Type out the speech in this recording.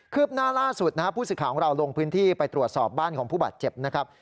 หน้าล่าสุดนะครับผู้สื่อข่าวของเราลงพื้นที่ไปตรวจสอบบ้านของผู้บาดเจ็บนะครับ